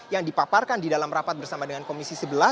yang dipaparkan di dalam rapat bersama dengan komisi sebelas